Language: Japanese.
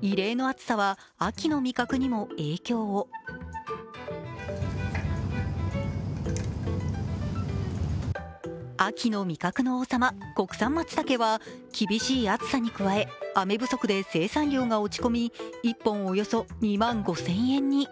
異例の暑さは秋の味覚にも影響を秋の味覚の王様、国産まつたけは厳しい暑さに加え雨不足で生産量が落ち込み、１本およそ１万５０００円に。